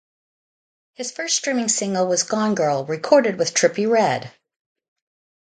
His first streaming single was "Gone Girl" recorded with Trippie Redd.